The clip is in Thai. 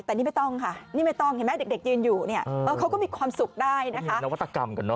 แต่นี่ไม่ต้องค่ะนี่ไม่ต้องเห็นไหมเด็กยืนอยู่เนี่ยเขาก็มีความสุขได้นะคะนวัตกรรมกันเนอ